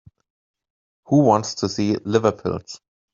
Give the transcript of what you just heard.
Who wants to see liver pills?